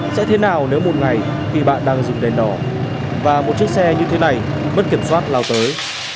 sẽ thế nào nếu một ngày khi bạn đang dùng đèn đỏ và một chiếc xe như thế này mất kiểm soát lao tới